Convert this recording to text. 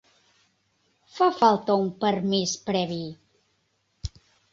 Fa falta un permís previ.